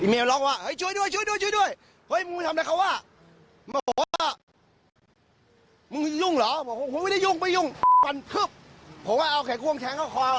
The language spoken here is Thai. บอกว่ามึงไม่ได้ยุ่งไม่ยุ่งผมว่าเอาแขกควงแทงเข้าความ